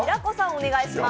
お願いします。